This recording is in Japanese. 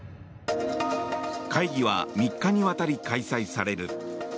会議は３日にわたり開催される。